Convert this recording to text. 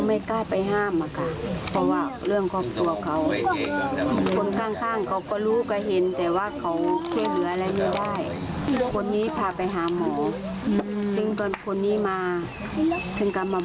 ไอ้หลานนี้ถูกตีถึงพาไปอนามัยแล้วจะทำอย่างไร